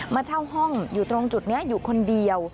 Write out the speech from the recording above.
มาเช่าห้องอยู่ตรงจุดนี้อยู่คนเดียว